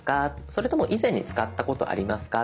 それとも以前に使ったことありますか。